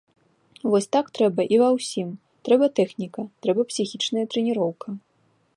Вось так трэба і ва ўсім, трэба тэхніка, трэба псіхічная трэніроўка.